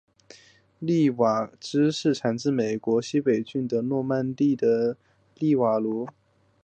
利瓦罗芝士产自法国西北部的诺曼第的利瓦罗。